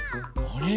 あれ？